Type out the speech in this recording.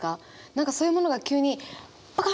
何かそういうものが急にパカ